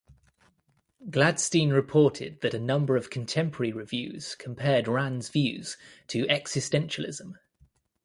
Gladstein reported that a number of contemporary reviews compared Rand's views to existentialism.